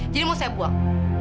jadi mau saya buang